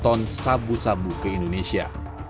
satu ton sabu sabu ke indonesia